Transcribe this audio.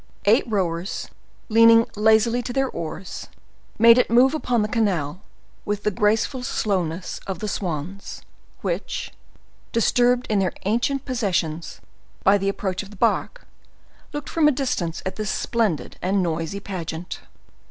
Eight rowers, leaning lazily to their oars, made it move upon the canal with the graceful slowness of the swans, which, disturbed in their ancient possessions by the approach of the bark, looked from a distance at this splendid and noisy pageant.